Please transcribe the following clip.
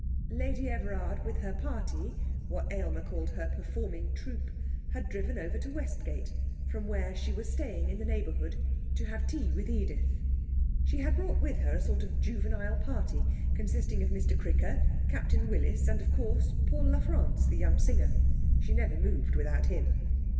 Lady Everard with her party (what Aylmer called her performing troupe) had driven over to Westgate, from where she was staying in the neighbourhood, to have tea with Edith. She had brought with her a sort of juvenile party, consisting of Mr Cricker, Captain Willis and, of course, Paul La France, the young singer. She never moved without him.